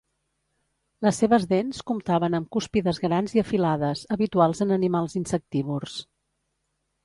Les seves dents comptaven amb cúspides grans i afilades, habituals en animals insectívors.